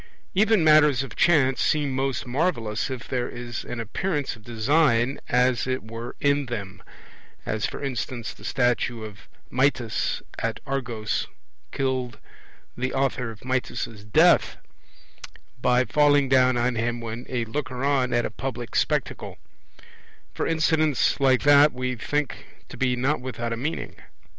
Even matters of chance seem most marvellous if there is an appearance of design as it were in them; as for instance the statue of Mitys at Argos killed the author of Mitys' death by falling down on him when a looker on at a public spectacle; for incidents like that we think to be not without a meaning.